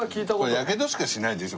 やけどしかしないでしょ